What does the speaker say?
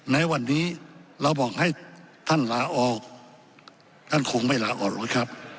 ในวันนี้เราบอกให้ท่านลาออกท่านคงไม่ลาออกแล้วครับ